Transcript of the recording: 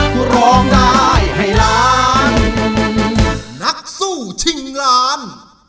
โปรดติดตามตอนต่อไป